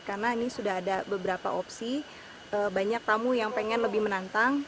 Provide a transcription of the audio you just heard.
karena ini sudah ada beberapa opsi banyak tamu yang pengen lebih menantang